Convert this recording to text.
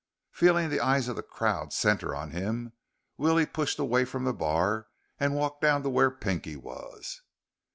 Feeling the eyes of the crowd center on him, Willie pushed away from the bar and walked down to where Pinky was.